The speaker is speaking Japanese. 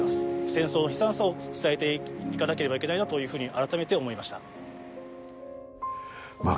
戦争の悲惨さを伝えていかなければいけないなというふうに改めて思いましたまあ